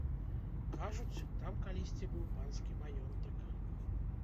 Кажуць, там калісьці быў панскі маёнтак.